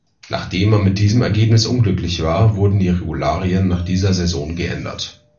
Nachdem man mit diesem Ergebnis unglücklich war, wurden die Regularien nach dieser Saison geändert.